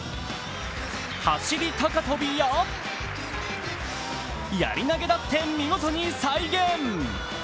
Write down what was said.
走り高跳びや、やり投げだって見事に再現。